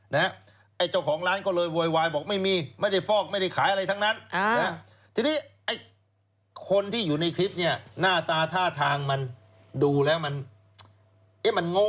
มันโง่นะถ้ามันทำแบบนี้เพราะอะไรรู้ไหม